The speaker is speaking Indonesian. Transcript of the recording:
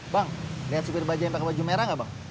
bang lihat supir baja yang pakai baju merah nggak bang